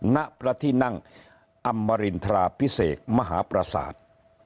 ณพระที่นั่งอมรินทราพิเศษมหาประสาท